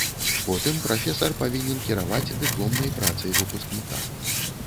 Потым прафесар павінен кіраваць дыпломнай працай выпускніка.